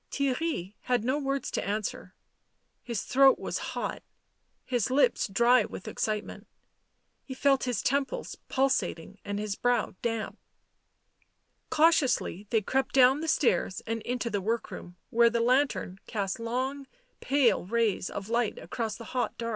Theirry had no words to answer ; his throat was hot, his lips dry with excitement, he felt his temples pul sating and his brow damp. Cautiously they crept down the stairs and into the work room, where the lantern cast long pale rays of light across the hot dark.